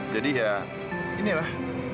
jadi ya inilah